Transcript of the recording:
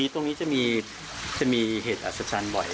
ตรงนี้จะมีเหตุอัศจรรย์บ่อย